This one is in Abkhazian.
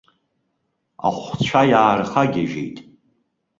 Ахәцәа иаархагьежьит.